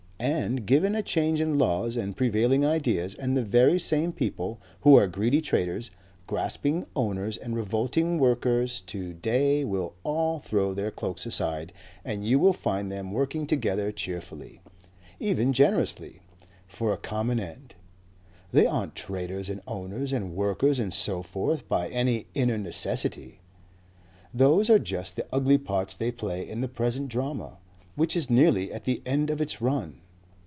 And given a change in laws and prevailing ideas, and the very same people who are greedy traders, grasping owners and revolting workers to day will all throw their cloaks aside and you will find them working together cheerfully, even generously, for a common end. They aren't traders and owners and workers and so forth by any inner necessity. Those are just the ugly parts they play in the present drama. Which is nearly at the end of its run."